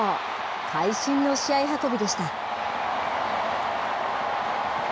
会心の試合運びでした。